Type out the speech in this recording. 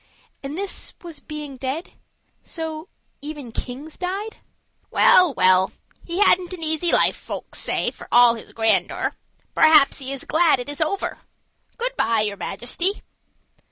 And this was being dead? So even kings died? "Well, well, he hadn't an easy life, folk say, for all his grandeur. Perhaps he is glad it is over. Good by, your Majesty."